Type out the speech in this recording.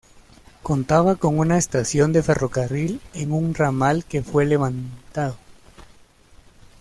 Contaba con una estación de ferrocarril en un ramal que fue levantado.